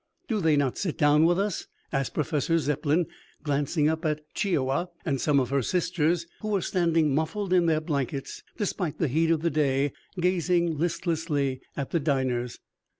"Do they not sit down with us?" asked Professor Zepplin, glancing up at Chi i wa and some of her sisters, who were standing muffled in their blankets, despite the heat of the day, gazing listlessly at the diners.